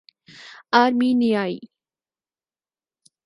آرمینیائی